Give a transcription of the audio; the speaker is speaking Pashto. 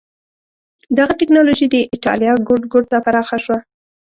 دغه ټکنالوژي د اېټالیا ګوټ ګوټ ته پراخه شوه.